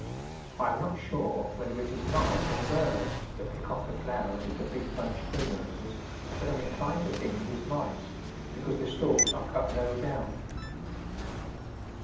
I am not sure whether it is mice or birds that pick off the flowers of the big bunch Primroses, but am inclined to think it is mice, because the stalks are cut low down.